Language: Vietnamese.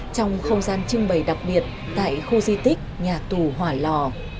trong không gian trưng bày đặc biệt tại khu di tích nhà tù hỏa lò